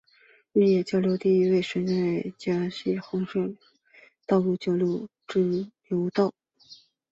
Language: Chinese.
日野交流道是位于神奈川县横滨市南区的横滨横须贺道路之交流道。